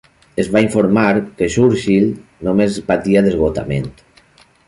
Es va informar que Churchill només patia d'esgotament.